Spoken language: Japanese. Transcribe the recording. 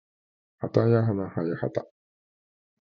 はたやなはやはた